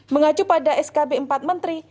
mengacu pada skb empat menteri